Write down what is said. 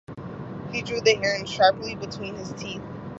He drew the air in sharply between his teeth.